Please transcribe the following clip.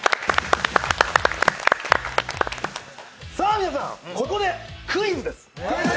皆さん、ここでクイズです。